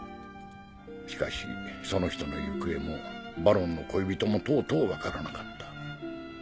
しかしその人の行方もバロンの恋人もとうとう分からなかった。